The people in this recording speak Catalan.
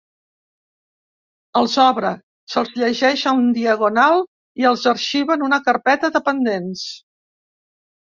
Els obre, se'ls llegeix en diagonal i els arxiva en una carpeta de pendents.